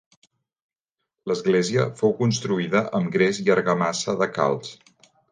L'església fou construïda amb gres i argamassa de calç.